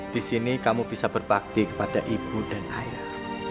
di sini kamu bisa berbakti kepada ibu dan ayah